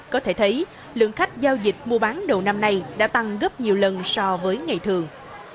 có thể thấy lượng khách giao dịch mua bán đầu năm nay đã tăng gấp nhiều lần so với ngày thường